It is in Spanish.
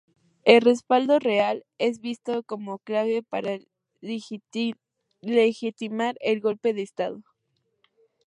El respaldo real es visto como clave para legitimar el golpe de Estado.